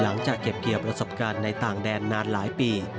หลังจากเก็บเกี่ยวประสบการณ์ในต่างแดนนานหลายปี